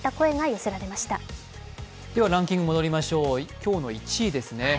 今日の１位ですね。